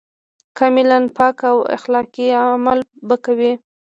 کاملاً پاک او اخلاقي عمل به کوي.